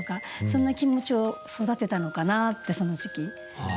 そんな気持ちを育てたのかなってその時期。